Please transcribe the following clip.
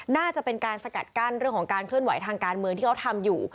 น่าจะเป็นการสกัดกั้นเรื่องของการเคลื่อนไหวทางการเมืองที่เขาทำอยู่